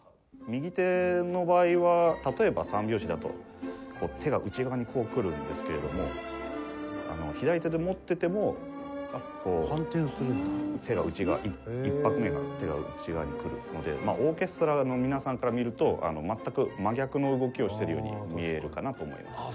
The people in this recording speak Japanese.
右手の場合は例えば３拍子だと手が内側にこうくるんですけれども左手で持っていてもこう手が内側１拍目が手が内側にくるのでオーケストラの皆さんから見ると全く真逆の動きをしてるように見えるかなと思います。